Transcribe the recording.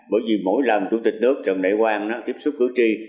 bởi vì mỗi lần chủ tịch nước trần đại quang tiếp xúc cử tri